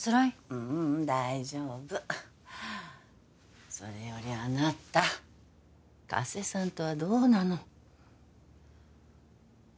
ううん大丈夫それよりあなた加瀬さんとはどうなの？